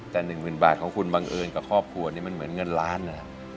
แต่๑๐๐๐บาทของคุณบังเอิญกับครอบครัวนี้มันเหมือนเงินล้านนะ